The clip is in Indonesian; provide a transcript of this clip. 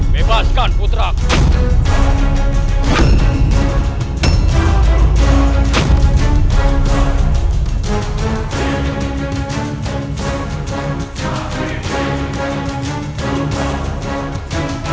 lepaskan putra aku